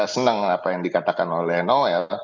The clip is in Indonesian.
senang apa yang dikatakan oleh noel